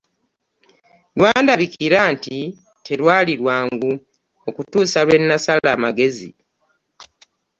Lwandabikira nti terwali lwangu okutuusa lwe nasala amagezi.